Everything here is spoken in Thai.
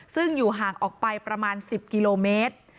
ซึ่งอยู่ห่างออกไปประมาณ๑๐กิโลเมตร